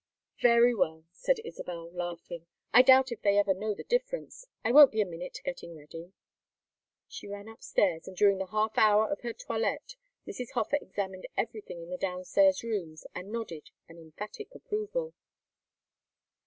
"Very well," said Isabel, laughing. "I doubt if they ever know the difference. I won't be a minute getting ready." She ran up stairs, and during the half hour of her toilette Mrs. Hofer examined everything in the down stairs rooms and nodded an emphatic approval.